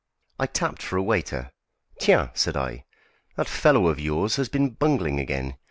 I tapped for a waiter. "Tiens," said I, "that fellow of yours has been bungling again.